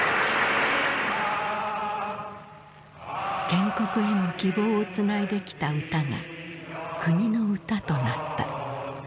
建国への希望をつないできた歌が国の歌となった。